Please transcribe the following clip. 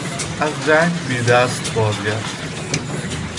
از جنگ بی دست بازگشت.